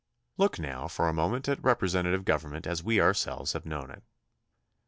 Look now for a moment at representative govern ment as we ourselves have known it.